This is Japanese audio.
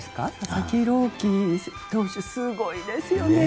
佐々木朗希投手すごいですよね。